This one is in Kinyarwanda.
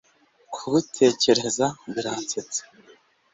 kugutekereza biransetsa